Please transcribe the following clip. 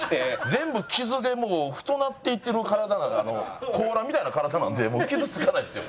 全部傷でもう太なっていってる体だから甲羅みたいな体なんで傷つかないんですよ